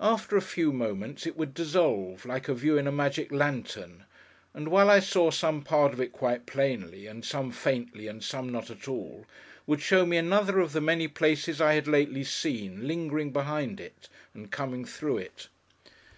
After a few moments, it would dissolve, like a view in a magic lantern; and while I saw some part of it quite plainly, and some faintly, and some not at all, would show me another of the many places I had lately seen, lingering behind it, and coming through it.